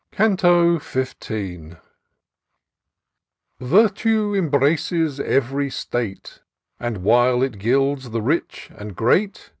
•^ ^K m iS»i' IRTUE embraces every state; And, while it gilds the rich and great.